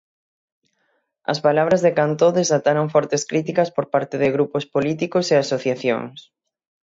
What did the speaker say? As palabras de Cantó desataron fortes críticas por parte de grupos políticos e asociacións.